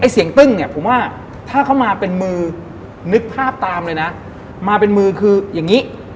เสียงตึ้งเนี่ยผมว่าถ้าเขามาเป็นมือนึกภาพตามเลยนะมาเป็นมือคืออย่างนี้